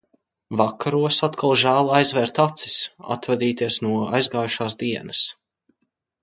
Vakaros atkal žēl aizvērt acis, atvadīties no aizgājušās dienas.